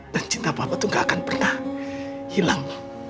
dan cinta bapak tuh gak akan pernah hilang